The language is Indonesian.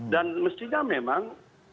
dan mestinya memang